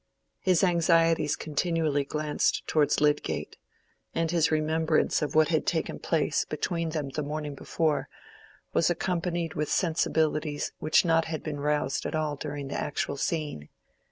His anxieties continually glanced towards Lydgate, and his remembrance of what had taken place between them the morning before was accompanied with sensibilities which had not been roused at all during the actual scene.